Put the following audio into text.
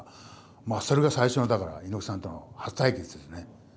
それが最初のだから猪木さんとの初対決ですね。